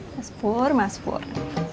mas pur mas pur